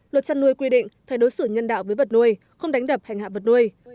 luật chăn nuôi quy định phải đối xử nhân đạo với vật nuôi không đánh đập hành hạ vật nuôi